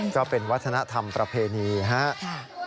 ก็เป็นวัฒนธรรมประเพณีครับ